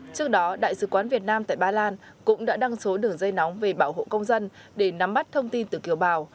trước đó đại sứ quán việt nam tại ba lan cũng đã đăng số đường dây nóng về bảo hộ công dân để nắm bắt thông tin từ kiều bào